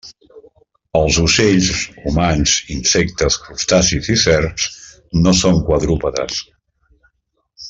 Els ocells, humans, insectes, crustacis, i serps no són quadrúpedes.